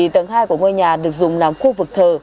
tầng hai của ngôi nhà được dùng làm khu vực thờ